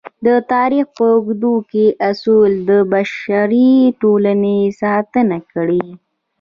د تاریخ په اوږدو کې اصول د بشري ټولنې ساتنه کړې.